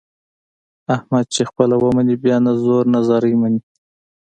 احمد چې خپله ومني بیا نه زور نه زارۍ مني.